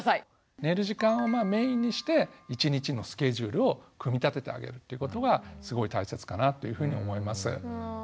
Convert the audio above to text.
寝る時間をメインにして１日のスケジュールを組み立ててあげるということがすごい大切かなというふうに思います。